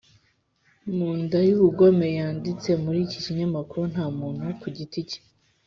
mu nday’ubugome yanditse muri iki kinyamakuru nta muntu ku giti cye